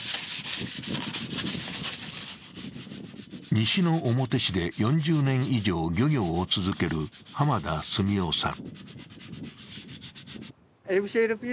西之表市で４０年以上漁業を続ける濱田純男さん。